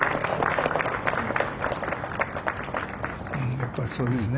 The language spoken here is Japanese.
やっぱりそうですね。